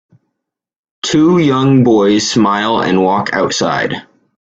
Two young boys smile and walk outside.